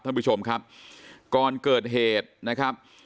ท่านผู้ชมครับก่อนเกิดเหตุนะครับ